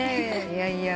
いやいや。